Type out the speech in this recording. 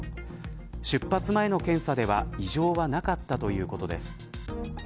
出発前の検査では異常はなかったということです。